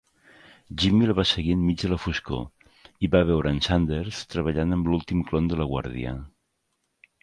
Jimmy el va seguir enmig de la foscor i va veure en Sanders treballant amb l'últim clon de la guàrdia.